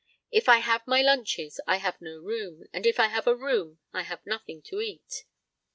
If I have my lunches I have no room, and if I have a room I have nothing to eat."